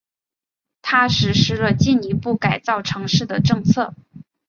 他实施了进一步改造城市的政策。